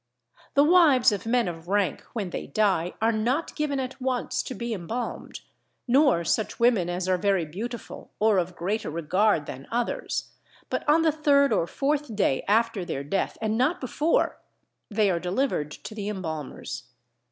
The wives of men of rank when they die are not given at once to be embalmed, nor such women as are very beautiful or of greater regard than others, but on the third or fourth day after their death (and not before) they are delivered to the embalmers.